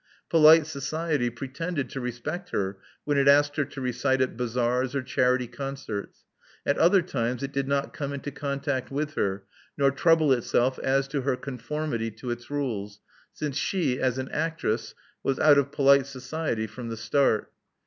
Polite society pretended to respect her when it asked her to recite at bazaars or charity con certs : at other times it did not come into contact with her, nor trouble itself as to her conformity to its rules, since she, as an actress, was out of polite society from the start.